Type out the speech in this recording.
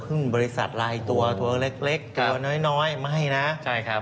ขึ้นบริษัทไร้ตัวตัวเล็กตัวน้อยไม่นะ